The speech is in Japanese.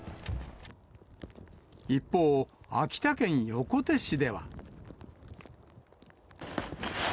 一方、秋田県横手市では。